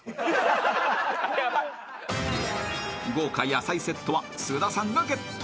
［豪華野菜セットは菅田さんがゲット］